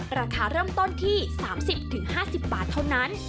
ราคาเริ่มต้นที่๓๐๕๐บาทเท่านั้น